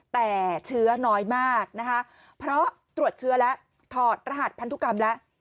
แต่เชื้อน้อยมากนะคะเพราะตรวจเชื้อแล้วถอดรหัสพันธุกรรมแล้ว